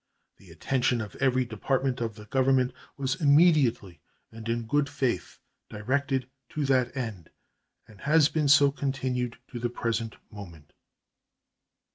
The attention of every department of the Government was immediately and in good faith directed to that end, and has been so continued to the present moment.